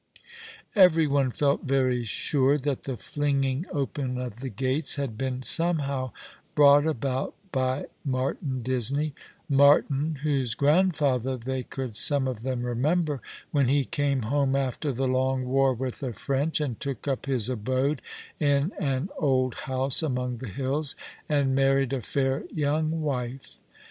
Every one felt very sure that the flinging open of the gates had been Bomehow brought about by Martin Disney — Martin, whose " Under the Pine woodP 167 grandfather they could some of them remember, when ho came home after the long war with the French, and took up his abode in an old house among the hills, and married a fair young wife.